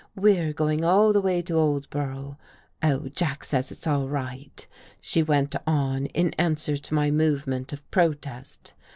" We're going all the way to Oldborough. — Oh, Jack says it's all right," she went on in answer to my move ment of protest.